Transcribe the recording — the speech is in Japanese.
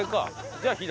じゃあ左。